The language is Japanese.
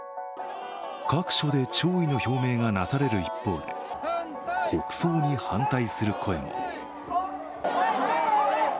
各所で弔意の表明がなされる一方で国葬に反対する声も。